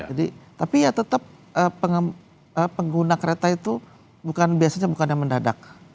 jadi tapi ya tetap pengguna kereta itu bukan biasanya bukan yang mendadak